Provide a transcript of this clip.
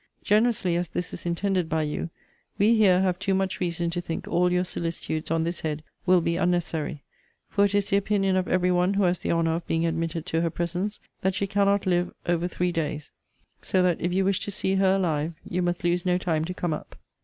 Generously as this is intended by you, we here have too much reason to think all your solicitudes on this head will be unnecessary: for it is the opinion of every one who has the honour of being admitted to her presence, that she cannot live over three days: so that, if you wish to see her alive, you must lose no time to come up.